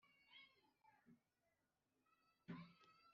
inyandiko umuntu ukorwaho iperereza